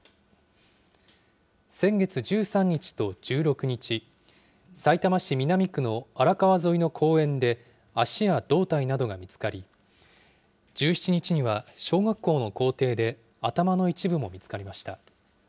先月１３日と１６日、さいたま市南区の荒川沿いの公園で、足や胴体などが見つかり、１７日には小学校の校庭で頭の一部も見つかりました。